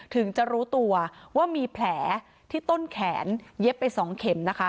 ถึงจะรู้ตัวว่ามีแผลที่ต้นแขนเย็บไป๒เข็มนะคะ